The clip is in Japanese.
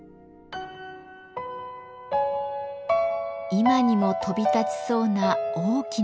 今にも飛び立ちそうな大きな鷹。